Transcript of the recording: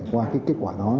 qua kết quả đó